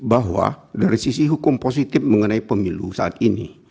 bahwa dari sisi hukum positif mengenai pemilu saat ini